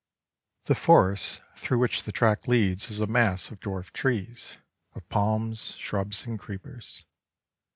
The forest through which this track leads is a mass of dwarfed trees, of palms, shrubs, and creepers.